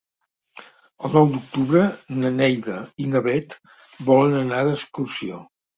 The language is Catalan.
El nou d'octubre na Neida i na Bet volen anar d'excursió.